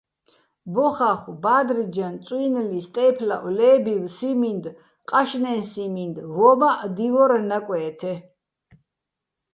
ბო-ხახო̆, ბა́დრიჯაჼ, წუ́ჲნლი, სტეჲფლაჸო, ლე́ბივ, სიმინდ, ყაშნეჼ სიმინდ - ვო́მაჸ დივორ ნაკვე́თე.